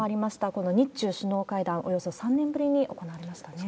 この日中首脳会談、およそ３年ぶりに行われましたね。